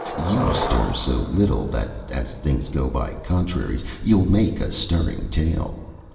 You stir so little that, as things go by contraries, you'll make a stirring tale.